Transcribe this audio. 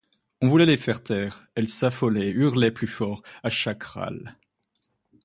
On voulait les faire taire, elles s’affolaient, hurlaient plus fort, à chaque râle.